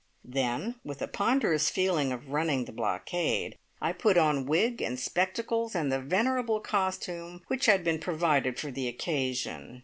Then, with a ponderous feeling of running the blockade, I put on wig and spectacles and the venerable costume which had been provided for the occasion.